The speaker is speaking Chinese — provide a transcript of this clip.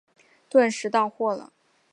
顿时到货了